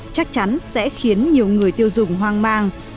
chắc chắn sẽ khiến nhiều người tiêu dùng hoang mang